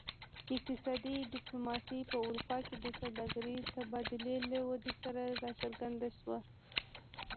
اقتصادي ډیپلوماسي په اروپا کې د سوداګرۍ تبادلې له ودې سره راڅرګنده شوه